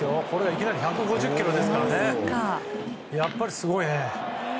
いきなり１５０キロですからやっぱりすごいね。